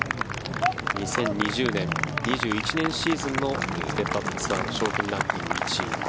２０２０年、２１年シーズンのステップ・アップ・ツアーの賞金ランキング１位。